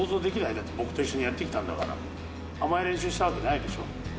だって、僕と一緒にやってきたんだから、甘い練習したわけじゃないでしょ。